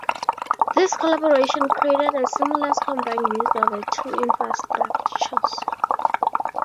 This collaboration created a seamless combined use of the two infrastructures.